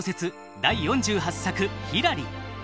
第４８作「ひらり」。